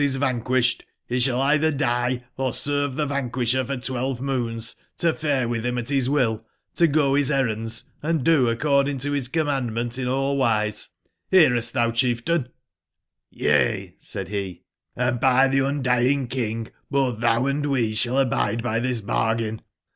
^ is vanquished, be sball either die, or serve tbe vanquisher for twelve moons, to fare witb him at bis will, to go bis errands, & do according to bis com mandment in all wise, nearest thou, chieftain ?''j^ ''Y^^/' said be, ''& by theClndying King, both thou and we sball abide by this bargain.